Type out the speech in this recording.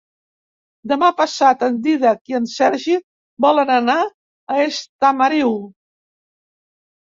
Demà passat en Dídac i en Sergi volen anar a Estamariu.